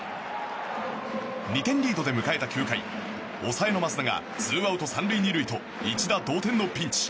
２点リードで迎えた９回抑えの益田がツーアウト３塁２塁と一打同点のピンチ。